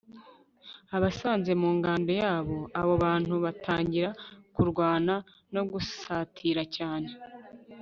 abasanze mu ngando yabo. abo bantu batangira kurwana, no gusatira cyane